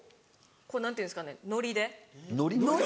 何ていうんですかねノリで？